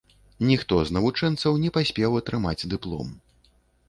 Ніхто з навучэнцаў не паспеў атрымаць дыплом.